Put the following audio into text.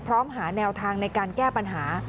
หาแนวทางในการแก้ปัญหา